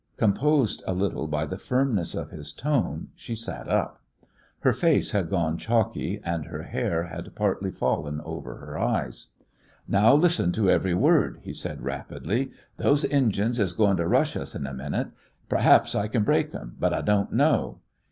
Composed a little by the firmness of his tone, she sat up. Her face had gone chalky, and her hair had partly fallen over her eyes. "Now, listen to every word," he said, rapidly. "Those Injins is goin' to rush us in a minute. P'r'aps I can break them, but I don't know.